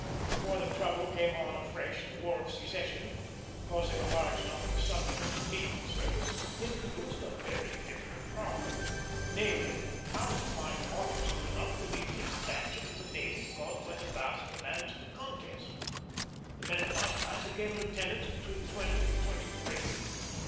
Before the trouble came on afresh the War of Secession, causing a large number of Southerners to leave the service, introduced a very different problem; namely, how to find officers enough to meet the expansion of the navy caused by the vast demands of the contest. The men of my time became lieutenants between twenty and twenty three.